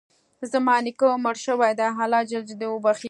زما نیکه مړ شوی ده، الله ج د وبښي